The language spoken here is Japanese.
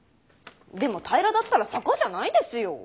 でも平らだったら坂じゃないですよォ。